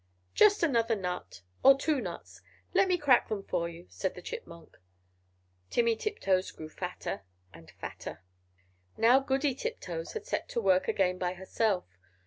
"Just another nut or two nuts; let me crack them for you," said the Chipmunk. Timmy Tiptoes grew fatter and fatter! Now Goody Tiptoes had set to work again by herself.